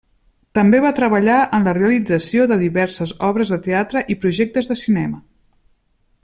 També va treballar en la realització de diverses obres de teatre i projectes de cinema.